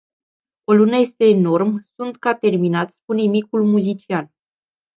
O lună este enorm, sunt ca terminat spune micul muzician.